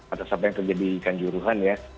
atas apa yang terjadi di ikan juruhan ya